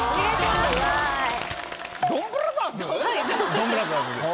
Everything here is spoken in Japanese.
「ドンブラザーズ」です。